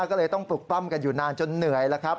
ก็เลยต้องปลุกปล้ำกันอยู่นานจนเหนื่อยแล้วครับ